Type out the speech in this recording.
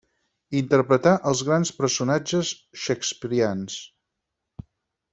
Interpretà els grans personatges shakespearians.